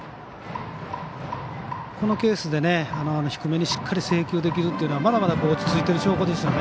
このケースで低めにしっかり制球できるのはまだまだ落ち着いている証拠です。